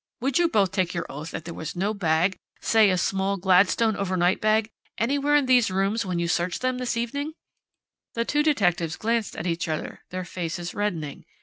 "Would you both take your oath that there was no bag say a small Gladstone overnight bag anywhere in these rooms when you searched them this evening?" The two detectives glanced at each other, their faces reddening.